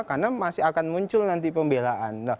karena masih akan muncul nanti pembelaan